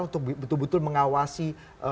untuk betul betul mengawasi